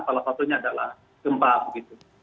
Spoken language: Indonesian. salah satunya adalah gempa begitu